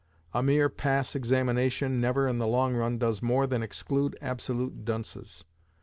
A mere pass examination never, in the long run, does more than exclude absolute dunces.